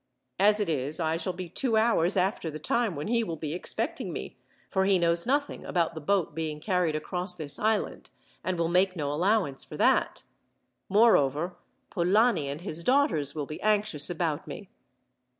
As it is, I shall be two hours after the time when he will be expecting me, for he knows nothing about the boat being carried across this island, and will make no allowance for that. Moreover, Polani and his daughters will be anxious about me."